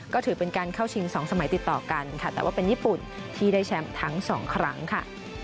ก็ถือเป็นการเข้าชิง๒สมัยติดต่อกันค่ะแต่ว่าเป็นญี่ปุ่นที่ได้แชมป์ทั้งสองครั้งค่ะ